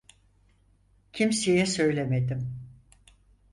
Kimseye söylemedim.